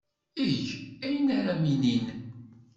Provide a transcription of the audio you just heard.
Eg ayen ara am-inin.